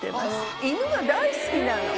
犬が大好きなの。